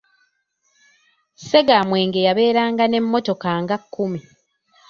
Ssegamwenge yabeeranga n'emmotoka nga kkumi.